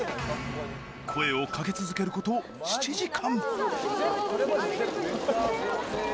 声をかけ続けること７時間。